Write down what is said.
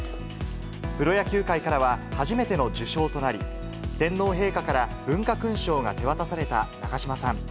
プロ野球界からは初めての受章となり、天皇陛下から文化勲章が手渡された長嶋さん。